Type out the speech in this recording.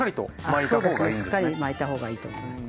しっかり巻いた方がいいと思います。